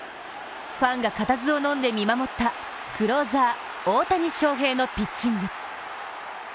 ファンが固唾をのんで見守ったクローザー・大谷翔平のピッチング。